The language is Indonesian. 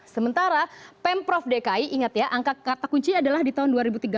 sementara pemprov dki ingat ya angka kata kunci adalah di tahun dua ribu tiga belas